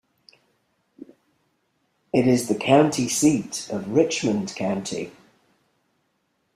It is the county seat of Richmond County.